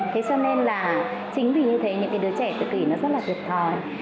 thế cho nên là chính vì như thế những đứa trẻ tự kỳ nó rất là tuyệt thòi